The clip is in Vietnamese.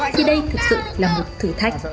ghê lắm chú